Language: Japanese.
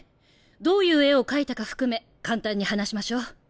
どういう絵を描いたか含め簡単に話しましょう。